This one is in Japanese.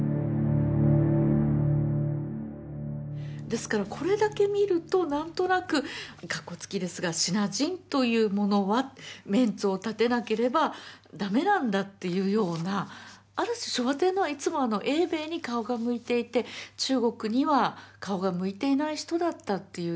ですからこれだけ見ると何となく括弧付きですが「支那人」というものはメンツを立てなければ駄目なんだっていうようなある種昭和天皇はいつも英米に顔が向いていて中国には顔が向いていない人だったという批判はあると思うんですね。